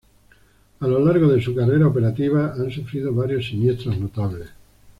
A lo largo de su carrera operativa han sufrido varios siniestros notables.